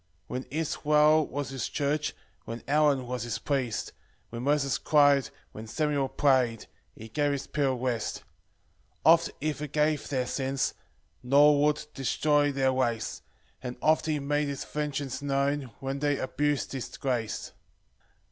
2 When Israel was his church, When Aaron was his priest, When Moses cry'd, when Samuel pray'd, He gave his people rest. 3 Oft he forgave their sins, Nor would destroy their race; And oft he made his vengeance known, When they abus'd his grace.